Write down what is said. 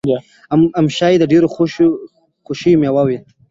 ام ښایي د ډېرو د خوښې مېوه وي.